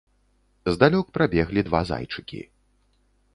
Здалёк прабеглі два зайчыкі.